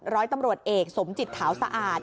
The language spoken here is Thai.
ร้อยตำรวจเอกสมจิตขาวสะอาด